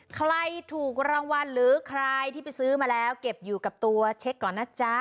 ใครถูกรางวัลหรือใครที่ไปซื้อมาแล้วเก็บอยู่กับตัวเช็คก่อนนะจ๊ะ